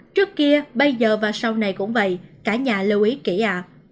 trước kia bây giờ và sau này cũng vậy cả nhà lưu ý kỹ ạ